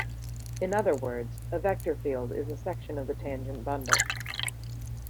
In other words, a vector field is a section of the tangent bundle.